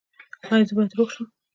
ایا زه باید روغ شم؟